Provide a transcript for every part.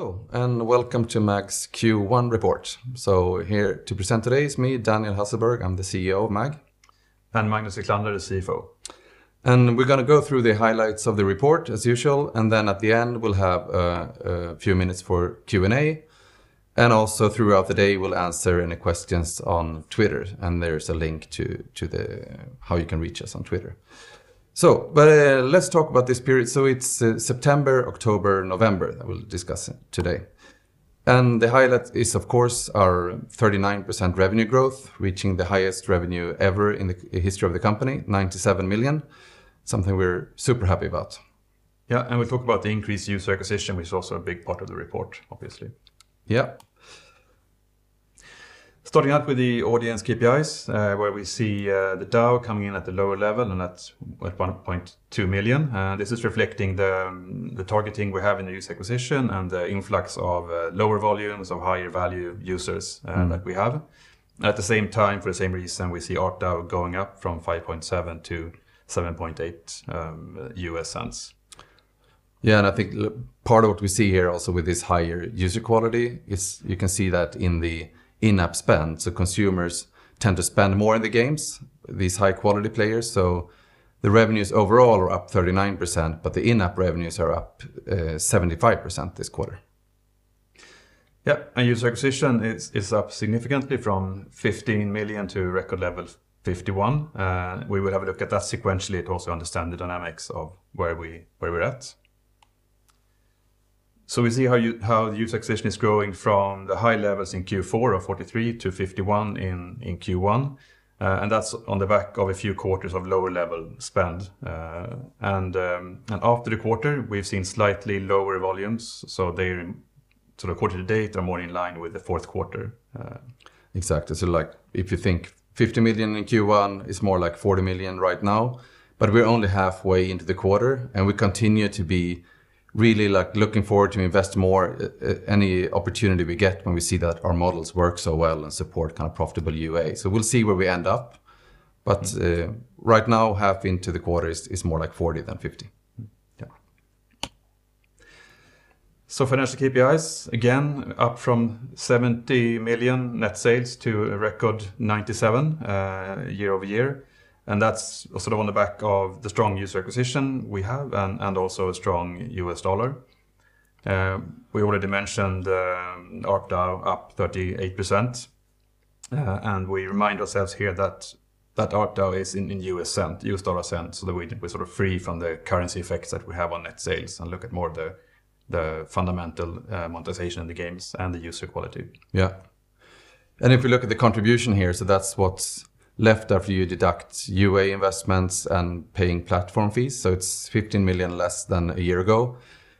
Hello, welcome to MAG's Q1 report. Here to present today is me, Daniel Hasselberg. I'm the CEO of MAG. Magnus Wiklander, the CFO. We're gonna go through the highlights of the report as usual, then at the end, we'll have a few minutes for Q&A. Also throughout the day, we'll answer any questions on Twitter, and there's a link to how you can reach us on Twitter. Let's talk about this period. It's September, October, November that we'll discuss today. The highlight is, of course, our 39% revenue growth, reaching the highest revenue ever in the history of the company, 97 million. Something we're super happy about. Yeah, we'll talk about the increased user acquisition, which is also a big part of the report, obviously. Yeah. Starting out with the audience KPIs, where we see, the DAU coming in at the lower level, and that's at 1.2 million. This is reflecting the targeting we have in the user acquisition and the influx of, lower volumes of higher value users. Mm. that we have. At the same time, for the same reason, we see ARPDAU going up from $0.057 to $0.078. Yeah, I think part of what we see here also with this higher user quality is you can see that in the in-app spend. Consumers tend to spend more in the games, these high-quality players. The revenues overall are up 39%, the in-app revenues are up 75% this quarter. Yeah. User acquisition is up significantly from 15 million to a record level of 51 million. We will have a look at that sequentially to also understand the dynamics of where we're at. We see how user acquisition is growing from the high levels in Q4 of 43 million to 51 million in Q1, that's on the back of a few quarters of lower level spend. After the quarter, we've seen slightly lower volumes, so they're sort of quarter to date are more in line with the fourth quarter. Exactly. Like if you think 50 million in Q1, it's more like 40 million right now, but we're only halfway into the quarter, and we continue to be really like looking forward to invest more any opportunity we get when we see that our models work so well and support kind of profitable UA. We'll see where we end up, but, right now, half into the quarter is more like 40 than 50. Financial KPIs, again, up from 70 million net sales to a record 97 year over year, that's sort of on the back of the strong user acquisition we have and also a strong U.S. dollar. We already mentioned ARPDAU up 38%, and we remind ourselves here that ARPDAU is in U.S. cent, U.S. dollar cents, so that we're sort of free from the currency effects that we have on net sales and look at more the fundamental monetization of the games and the user quality. Yeah. If we look at the contribution here, that's what's left after you deduct UA investments and paying platform fees, so it's 15 million less than a year ago.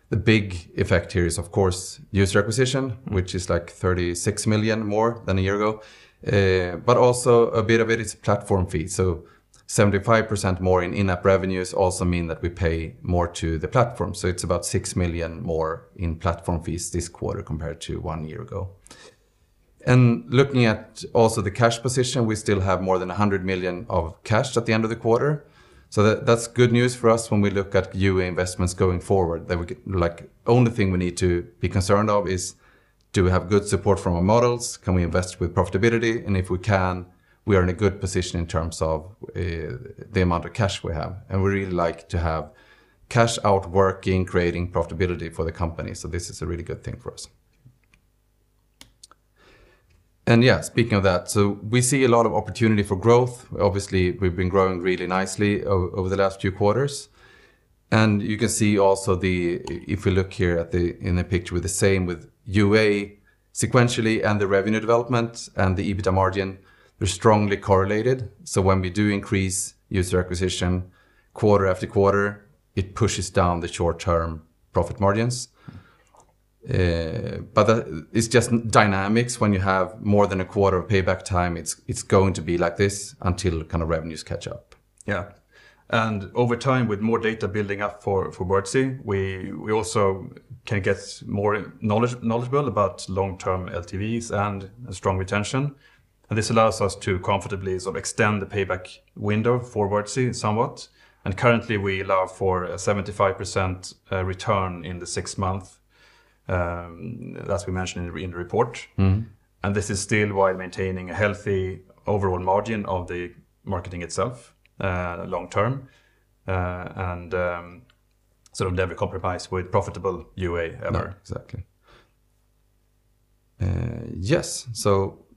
The big effect here is, of course, user acquisition, which is like 36 million more than a year ago, but also a bit of it is platform fees. 75% more in in-app revenues also mean that we pay more to the platform, so it's about 6 million more in platform fees this quarter compared to one year ago. Looking at also the cash position, we still have more than 100 million of cash at the end of the quarter, so that's good news for us when we look at UA investments going forward. like the only thing we need to be concerned of is do we have good support from our models? Can we invest with profitability? If we can, we are in a good position in terms of the amount of cash we have. We really like to have cash out working, creating profitability for the company. This is a really good thing for us. Yeah, speaking of that, we see a lot of opportunity for growth. Obviously, we've been growing really nicely over the last few quarters. You can see also if we look here in the picture with the same, with UA sequentially and the revenue development and the EBITDA margin, they're strongly correlated. When we do increase user acquisition quarter after quarter, it pushes down the short-term profit margins. But that, it's just dynamics. When you have more than a quarter of payback time, it's going to be like this until kind of revenues catch up. Yeah. Over time, with more data building up for Wordzee, we also can get more knowledgeable about long-term LTVs and strong retention. This allows us to comfortably sort of extend the payback window for Wordzee somewhat. Currently, we allow for a 75% return in the 6 months, as we mentioned in the report. Mm-hmm. This is still while maintaining a healthy overall margin of the marketing itself, long term, and sort of never compromise with profitable UA ever. No, exactly. Yes,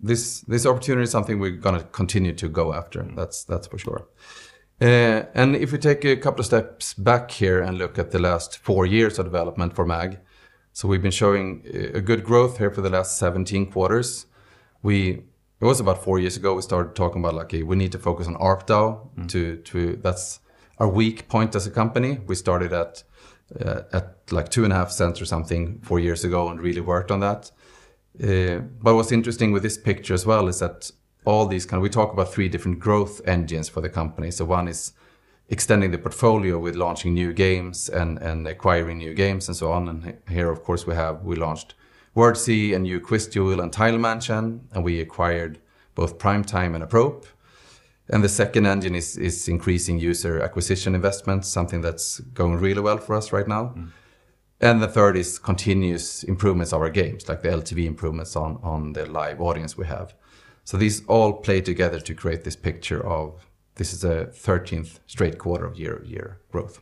this opportunity is something we're gonna continue to go after. That's for sure. If we take a couple of steps back here and look at the last four years of development for MAG, we've been showing a good growth here for the last 17 quarters. It was about four years ago, we started talking about like, okay, we need to focus on ARPDAU That's our weak point as a company. We started at like two and a half cents or something four years ago and really worked on that. What's interesting with this picture as well is that all these kind of We talk about three different growth engines for the company. One is extending the portfolio with launching new games and acquiring new games and so on. Here, of course, we launched Wordzee and new Quiz Jewel and Tile Mansion, and we acquired both Primetime and Apprope. The second engine is increasing user acquisition investment, something that's going really well for us right now. Mm-hmm. The third is continuous improvements of our games, like the LTV improvements on the live audience we have. These all play together to create this picture of this is a 13th straight quarter of year-over-year growth.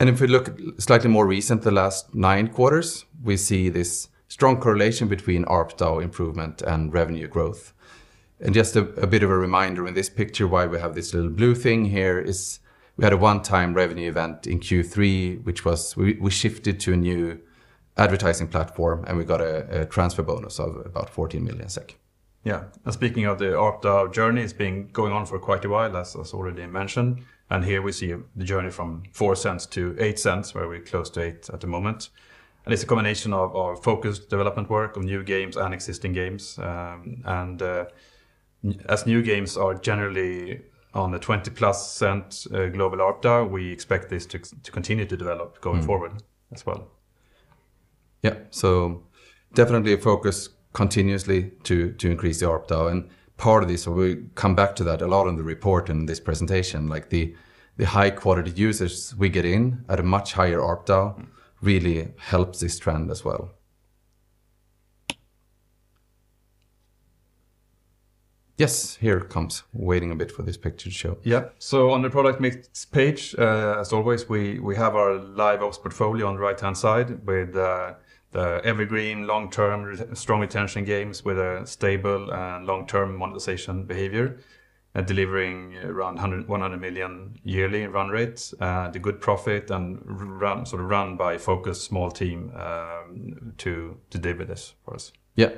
Okay. If we look at slightly more recent, the last nine quarters, we see this strong correlation between ARPDAU improvement and revenue growth. Just a bit of a reminder in this picture why we have this little blue thing here is we had a one-time revenue event in Q3, which was we shifted to a new advertising platform, and we got a transfer bonus of about 14 million SEK. Yeah. Speaking of the ARPDAU journey, it's been going on for quite a while, as already mentioned. Here we see the journey from 0.04-0.08, where we're close to 0.08 at the moment. It's a combination of our focused development work on new games and existing games. As new games are generally on the 0.20+ Global ARPDAU, we expect this to continue to develop going forward. Mm-hmm... as well. Yeah. Definitely a focus continuously to increase the ARPDAU, and part of this, we come back to that a lot in the report in this presentation, like the high-quality users we get in at a much higher ARPDAU really helps this trend as well. Yes, here it comes. Waiting a bit for this picture to show. On the product mix page, as always, we have our live ops portfolio on the right-hand side with the evergreen long-term strong retention games with a stable, long-term monetization behavior, delivering around 100 million yearly in run rates, the good profit and sort of run by focus small team, to deliver this for us. Yeah.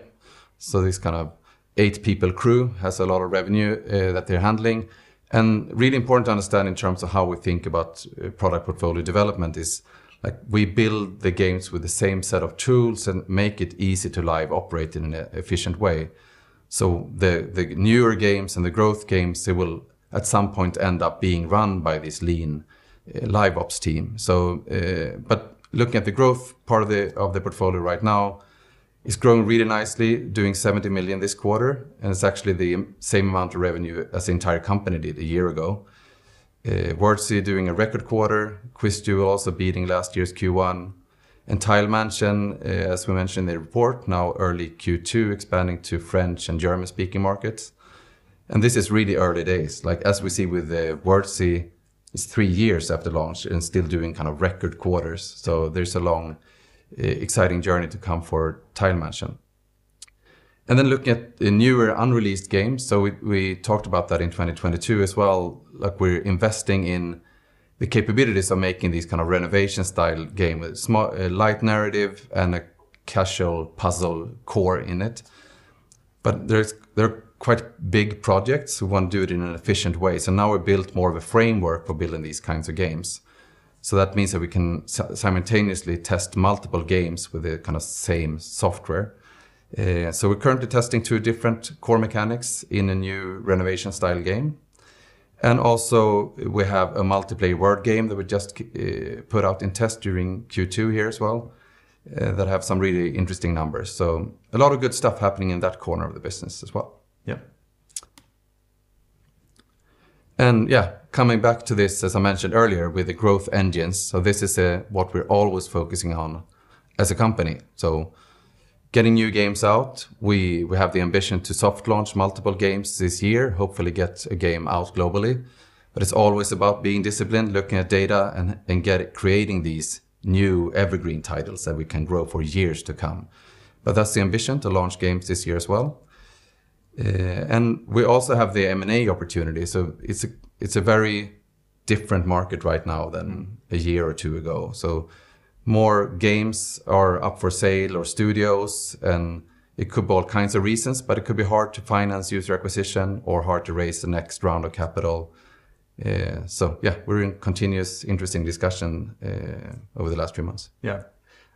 This kind of 8-people crew has a lot of revenue that they're handling. Really important to understand in terms of how we think about product portfolio development is, like, we build the games with the same set of tools and make it easy to live operate in an efficient way. The, the newer games and the growth games, they will at some point end up being run by this lean live ops team. Looking at the growth part of the, of the portfolio right now, it's growing really nicely, doing 70 million this quarter, and it's actually the same amount of revenue as the entire company did a year ago. Wordzee doing a record quarter. Quiz Jewel also beating last year's Q1. Tile Mansion, as we mentioned in the report, now early Q2 expanding to French and German-speaking markets. This is really early days. Like, as we see with Wordzee, it's three years after launch and still doing kind of record quarters, so there's a long, exciting journey to come for Tile Mansion. Looking at the newer unreleased games, we talked about that in 2022 as well, like we're investing in the capabilities of making these kind of renovation-style game with a light narrative and a casual puzzle core in it. They're quite big projects. We want to do it in an efficient way. Now we built more of a framework for building these kinds of games. That means that we can simultaneously test multiple games with the kinda same software. We're currently testing two different core mechanics in a new renovation-style game. Also we have a multiplayer word game that we just put out in test during Q2 here as well that have some really interesting numbers. A lot of good stuff happening in that corner of the business as well. Yeah. Yeah, coming back to this, as I mentioned earlier, with the growth engines, this is what we're always focusing on as a company. Getting new games out, we have the ambition to soft launch multiple games this year, hopefully get a game out globally. It's always about being disciplined, looking at data, and creating these new evergreen titles that we can grow for years to come. That's the ambition, to launch games this year as well. And we also have the M&A opportunity. It's a very different market right now than. Mm-hmm... a year or two ago. More games are up for sale or studios, and it could be all kinds of reasons, but it could be hard to finance user acquisition or hard to raise the next round of capital. Yeah, we're in continuous interesting discussion over the last few months. Yeah.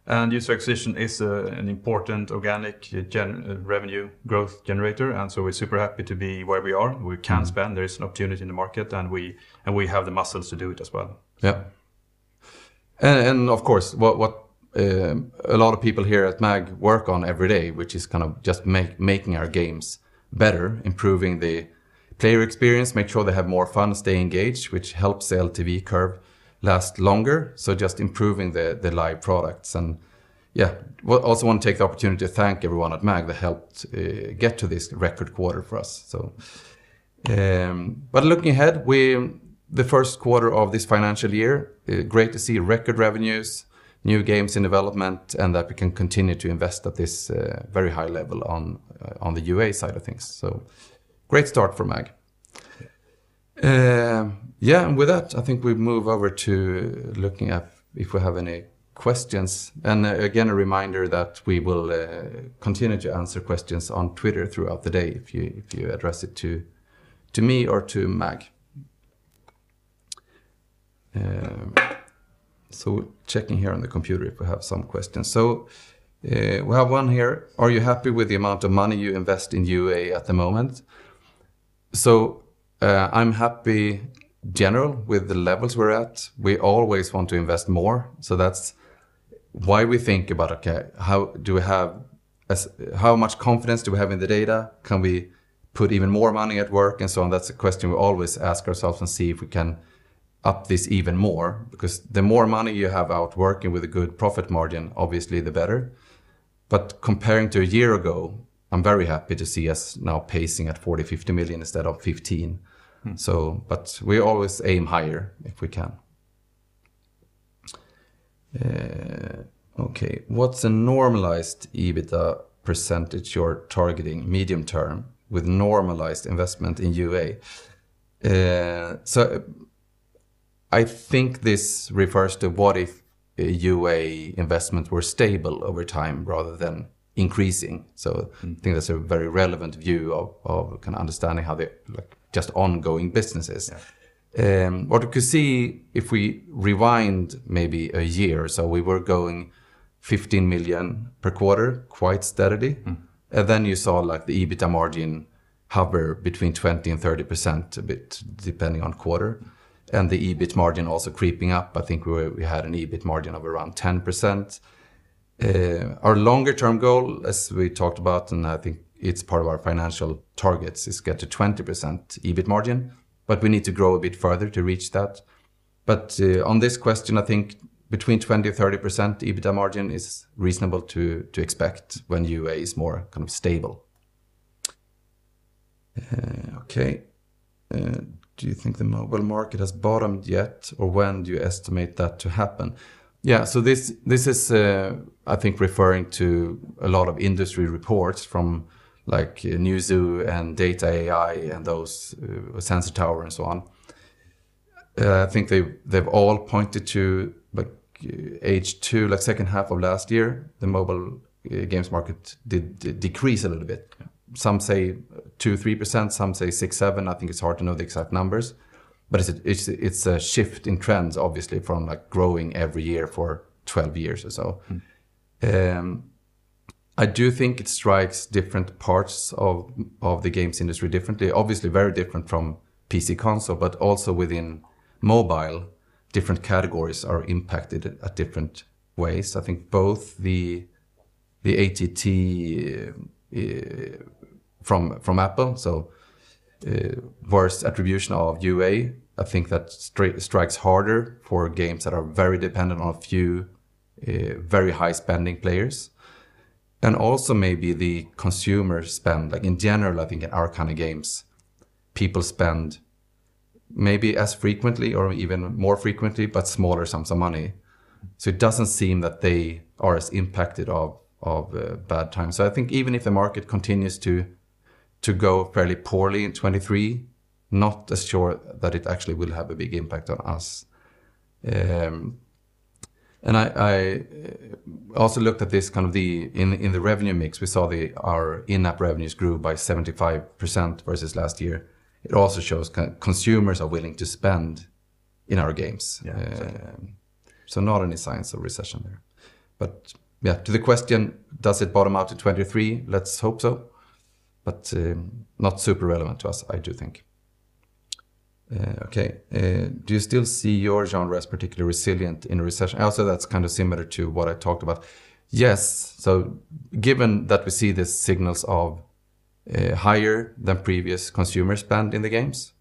User acquisition is an important organic revenue growth generator, and so we're super happy to be where we are. We can spend. There is an opportunity in the market, and we have the muscles to do it as well. Of course, what, a lot of people here at MAG work on every day, which is kind of just making our games better, improving the player experience, make sure they have more fun, stay engaged, which helps the LTV curve last longer, so just improving the live products. Also want to take the opportunity to thank everyone at MAG that helped get to this record quarter for us. But looking ahead, the first quarter of this financial year, great to see record revenues, new games in development, and that we can continue to invest at this, very high level on the UA side of things. Great start for MAG. With that, I think we move over to looking at if we have any questions. Again, a reminder that we will continue to answer questions on Twitter throughout the day if you, if you address it to me or to Mag. Checking here on the computer if we have some questions. We have one here. Are you happy with the amount of money you invest in UA at the moment? I'm happy general with the levels we're at. We always want to invest more, that's why we think about, okay, how much confidence do we have in the data? Can we put even more money at work, and so on? That's a question we always ask ourselves and see if we can up this even more because the more money you have out working with a good profit margin, obviously the better. Comparing to a year ago, I'm very happy to see us now pacing at 40 million-50 million instead of 15 million. Mm. We always aim higher if we can. Okay. What's the normalized EBITDA % you're targeting medium term with normalized investment in UA? I think this refers to what if UA investments were stable over time rather than increasing. Mm. I think that's a very relevant view of kind of understanding how they're like just ongoing businesses. Yeah. What you could see if we rewind maybe a year or so, we were going 15 million per quarter, quite steadily. Mm. You saw like the EBITDA margin hover between 20% and 30% a bit depending on quarter, and the EBIT margin also creeping up. I think we had an EBIT margin of around 10%. Our longer term goal, as we talked about, and I think it's part of our financial targets, is get to 20% EBIT margin, but we need to grow a bit further to reach that. On this question, I think between 20%-30% EBITA margin is reasonable to expect when UA is more kind of stable. Okay. Do you think the mobile market has bottomed yet, or when do you estimate that to happen? Yeah. This is I think referring to a lot of industry reports from like Newzoo and Data.ai and those, Sensor Tower and so on. I think they've all pointed to like H2, like second half of last year, the mobile games market did decrease a little bit. Yeah. Some say 2%-3%, some say 6%-7%. I think it's hard to know the exact numbers, but it's a shift in trends obviously from like growing every year for 12 years or so. Mm. I do think it strikes different parts of the games industry differently. Obviously very different from PC console, but also within mobile, different categories are impacted at different ways. I think both the ATT from Apple, worse attribution of UA, I think that strikes harder for games that are very dependent on a few very high spending players. And also maybe the consumer spend. Like in general, I think in our kind of games, people spend maybe as frequently or even more frequently, but smaller sums of money. It doesn't seem that they are as impacted of a bad time. I think even if the market continues to go fairly poorly in 23, not as sure that it actually will have a big impact on us. I also looked at this kind of the revenue mix, we saw our in-app revenues grew by 75% versus last year. It also shows consumers are willing to spend in our games. Yeah. Not any signs of recession there. Yeah, to the question, does it bottom out to 23? Let's hope so. Not super relevant to us, I do think. Okay. Do you still see your genres particularly resilient in a recession? That's kind of similar to what I talked about. Yes. Given that we see the signals of higher than previous consumer spend in the games,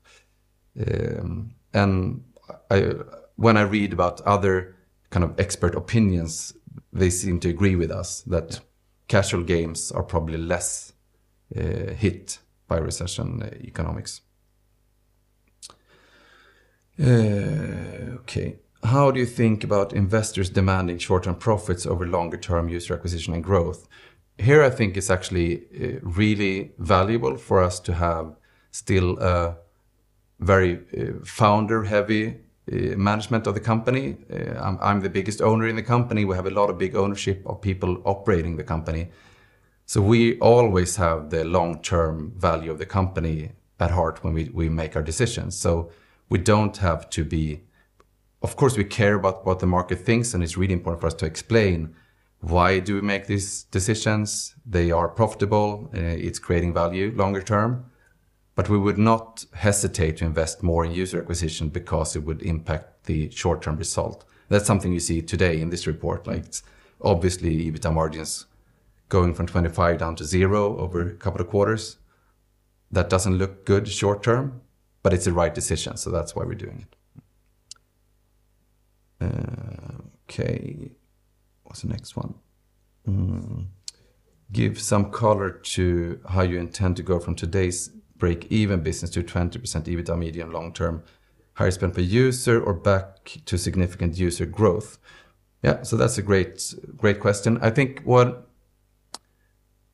When I read about other kind of expert opinions, they seem to agree with us that- Yeah casual games are probably less hit by recession economics. Okay. How do you think about investors demanding short-term profits over longer term user acquisition and growth? Here, I think it's actually really valuable for us to have still a very founder-heavy management of the company. I'm the biggest owner in the company. We have a lot of big ownership of people operating the company. We always have the long-term value of the company at heart when we make our decisions. We don't have to be... Of course, we care about what the market thinks, and it's really important for us to explain why do we make these decisions. They are profitable. It's creating value longer term. We would not hesitate to invest more in user acquisition because it would impact the short-term result. That's something you see today in this report, right? Obviously, EBITDA margin's going from 25% down to 0% over a couple of quarters. That doesn't look good short term, it's the right decision, that's why we're doing it. Okay. What's the next one? Give some color to how you intend to go from today's break-even business to a 20% EBITDA medium long term. Higher spend per user or back to significant user growth? Yeah. That's a great question. I think what,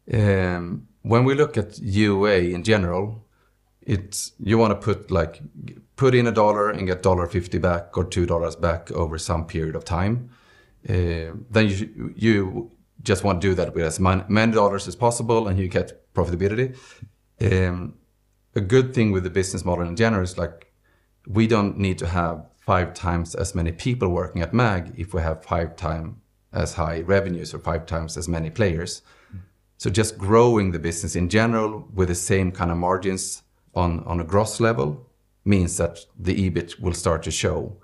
when we look at UA in general, it's you wanna put like, put in a dollar and get $1.50 back or $2 back over some period of time. You just want to do that with as many dollars as possible, you get profitability. A good thing with the business model in general is like We don't need to have 5x as many people working at MAG if we have 5x as high revenues or 5x as many players. Mm-hmm. Just growing the business in general with the same kind of margins on a gross level means that the EBIT will start to show.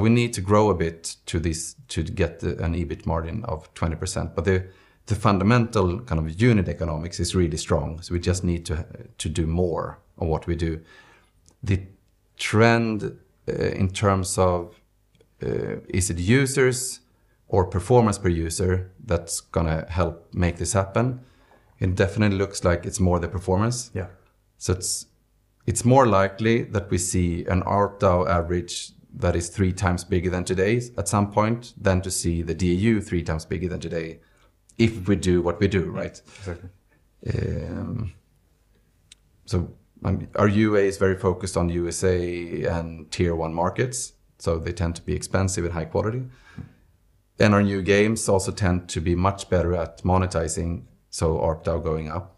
We need to grow a bit to this to get an EBIT margin of 20%. The fundamental kind of unit economics is really strong, we just need to do more on what we do. The trend in terms of is it users or performance per user that's gonna help make this happen? It definitely looks like it's more the performance. Yeah. It's more likely that we see an ARPDAU average that is 3x bigger than today's at some point than to see the DAU 3x bigger than today if we do what we do, right? Exactly. Our UA is very focused on USA and Tier 1 markets, so they tend to be expensive and high quality. Mm-hmm. Our new games also tend to be much better at monetizing, so ARPDAU going up.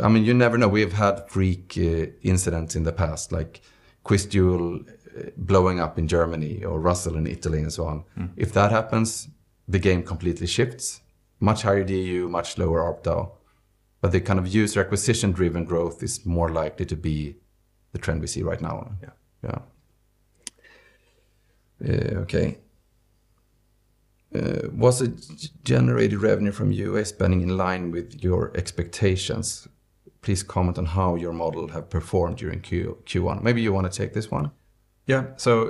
I mean, you never know. We have had freak incidents in the past, like QuizDuel blowing up in Germany or Ruzzle in Italy and so on. Mm-hmm. If that happens, the game completely shifts, much higher DAU, much lower ARPDAU. The kind of user acquisition-driven growth is more likely to be the trend we see right now. Yeah. Yeah. Okay. was the generated revenue from UA spending in line with your expectations? Please comment on how your model have performed during Q1. Maybe you wanna take this one. Yeah.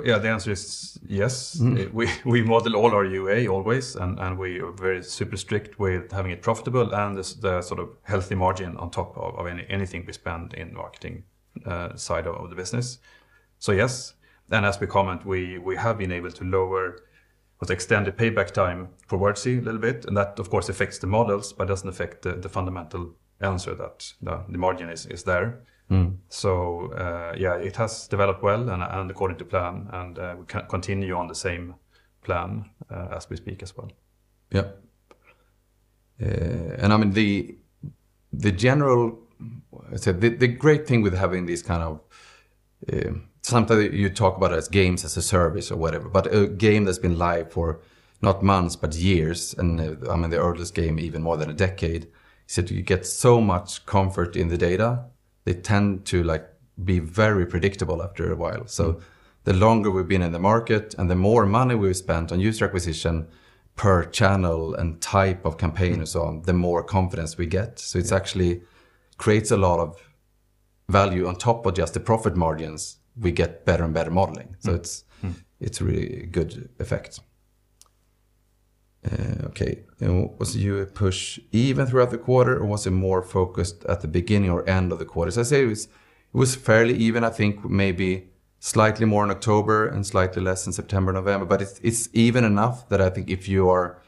Yeah, the answer is yes. Mm-hmm. We model all our UA always, and we are very super strict with having it profitable, and the sort of healthy margin on top of anything we spend in marketing side of the business. Yes, and as we comment, we have been able to lower what's extended payback time for Wordzee a little bit, and that of course affects the models but doesn't affect the fundamental answer that the margin is there. Mm-hmm. Yeah, it has developed well and according to plan, and we continue on the same plan as we speak as well. Yep. I mean, the great thing with having this kind of, sometimes you talk about as Games as a Service or whatever, but a game that's been live for not months but years, I mean, the oldest game even more than a decade, is that you get so much comfort in the data. They tend to like be very predictable after a while. Mm-hmm. The longer we've been in the market and the more money we've spent on user acquisition per channel and type of campaign and so on. Mm-hmm... the more confidence we get. Yeah. It's actually creates a lot of value on top of just the profit margins, we get better and better modeling. Mm-hmm. So it's- Mm-hmm... it's really good effect. Okay. Was UA push even throughout the quarter, or was it more focused at the beginning or end of the quarter? As I say, it was fairly even, I think maybe slightly more in October and slightly less in September, November. It's even enough that I think if you are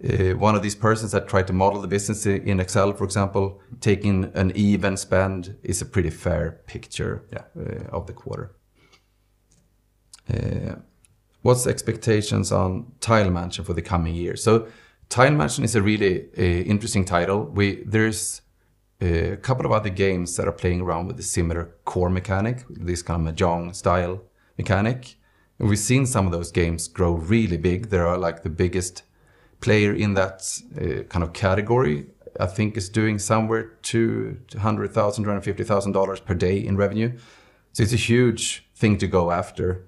one of these persons that try to model the business in Excel, for example, taking an even spend is a pretty fair picture. Yeah... of the quarter. What's the expectations on Tile Mansion for the coming year? Tile Mansion is a really interesting title. There's a couple of other games that are playing around with a similar core mechanic, this kind of Mahjong style mechanic, and we've seen some of those games grow really big. They are like the biggest player in that kind of category. I think it's doing somewhere $200,000-$250,000 per day in revenue. It's a huge thing to go after.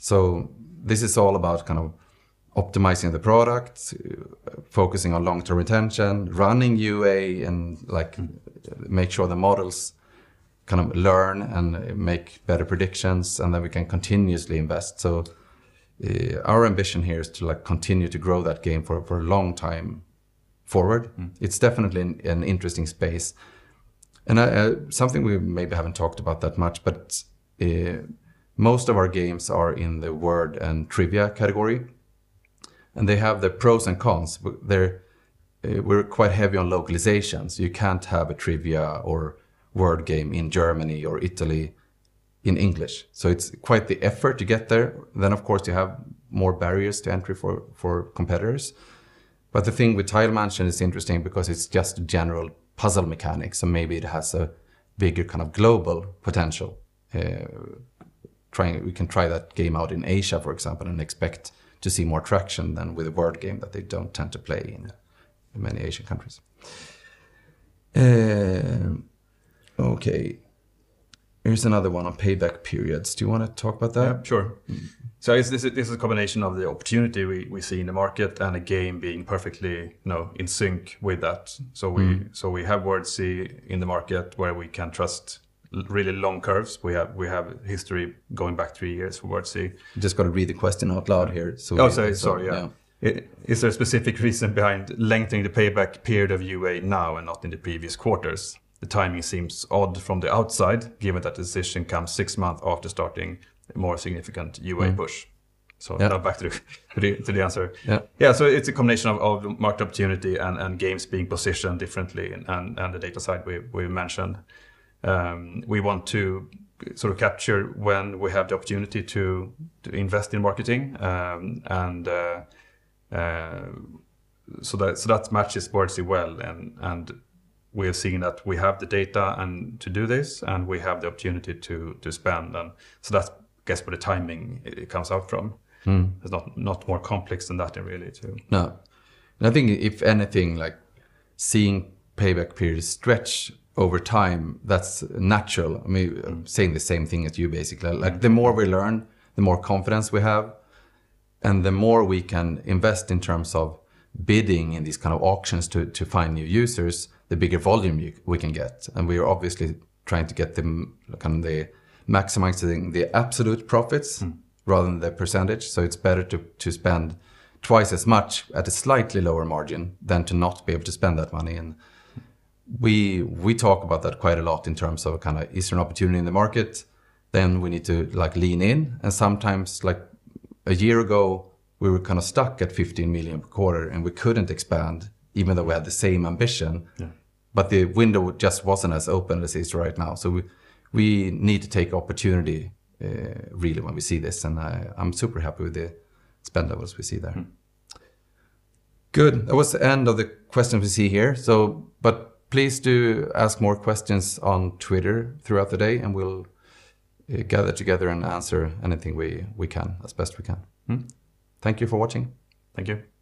This is all about kind of optimizing the product, focusing on long-term retention, running UA, and like make sure the models kind of learn and make better predictions, and then we can continuously invest. Our ambition here is to like continue to grow that game for a long time forward. Mm-hmm. It's definitely an interesting space. I, something we maybe haven't talked about that much, most of our games are in the word and trivia category, and they have their pros and cons. They're, we're quite heavy on localizations. You can't have a trivia or word game in Germany or Italy in English. It's quite the effort to get there. Of course, you have more barriers to entry for competitors. The thing with Tile Mansion is interesting because it's just general puzzle mechanics, maybe it has a bigger kind of global potential. We can try that game out in Asia, for example, and expect to see more traction than with a word game that they don't tend to play in many Asian countries. Okay. Here's another one on payback periods. Do you wanna talk about that? Yeah, sure. Mm-hmm. I guess this is a combination of the opportunity we see in the market and a game being perfectly, you know, in sync with that. Mm-hmm. We have Wordzee in the market where we can trust really long curves. We have history going back three years for Wordzee. Just gotta read the question out loud here. Oh, sorry. Sorry, yeah. Yeah. Is there a specific reason behind lengthening the payback period of UA now and not in the previous quarters? The timing seems odd from the outside, given that the decision comes six months after starting a more significant UA push. Mm-hmm. Yeah. now back to the answer. Yeah. Yeah. It's a combination of market opportunity and games being positioned differently and, and the data side we've mentioned. We want to sort of capture when we have the opportunity to invest in marketing, that matches Wordzee well, and we have seen that we have the data and to do this, and we have the opportunity to spend. That's I guess where the timing it comes out from. Mm-hmm. It's not more complex than that really, so. No. I think if anything, like seeing payback periods stretch over time, that's natural. I mean, I'm saying the same thing as you basically. The more we learn, the more confidence we have, and the more we can invest in terms of bidding in these kind of auctions to find new users, the bigger volume we can get. We are obviously trying to get them kind of the maximizing the absolute profits. Mm-hmm... rather than the percentage. It's better to spend twice as much at a slightly lower margin than to not be able to spend that money. We talk about that quite a lot in terms of kinda is there an opportunity in the market, we need to like lean in. Sometimes, like a year ago, we were kinda stuck at 15 million per quarter, and we couldn't expand even though we had the same ambition. Yeah. The window just wasn't as open as it is right now. We need to take opportunity really when we see this, and I'm super happy with the spend levels we see there. Mm-hmm. Good. That was the end of the questions we see here, so, but please do ask more questions on Twitter throughout the day, and we'll gather together and answer anything we can, as best we can. Mm-hmm. Thank you for watching. Thank you.